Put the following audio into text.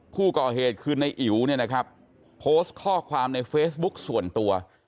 ผู้ก่อเหตุคือในอิ๋วโพสต์ข้อความในเฟซบุ๊คส่วนตัว